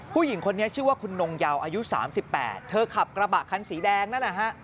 ผู้หญิงคนนี้ชื่อว่าคุณนงเยาวอายุ๓๘เธอขับกระบะคันสีแดงนั่นนะฮะ